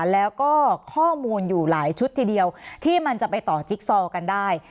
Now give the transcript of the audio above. แล้วก็ข้อมูลอยู่หลายชุดทีเดียวที่มันจะไปต่อจิ๊กซอกันได้